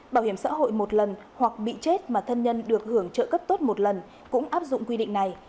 bảo hiểm xã hội một lần hoặc bị chết mà thân nhân được hưởng trợ cấp tốt một lần cũng áp dụng quy định này